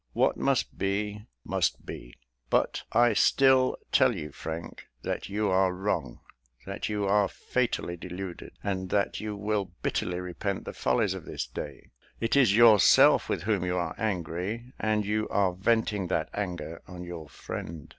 What must be, must; but I still tell you, Frank, that you are wrong that you are fatally deluded, and that you will bitterly repent the follies of this day. It is yourself with whom you are angry, and you are venting that anger on your friend."